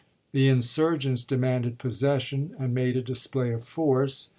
The insur gents demanded possession, and made a display of force.